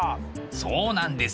そうなんです。